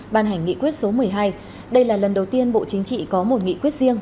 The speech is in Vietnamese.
ban hành nghị quyết số một mươi hai đây là lần đầu tiên bộ chính trị có một nghị quyết riêng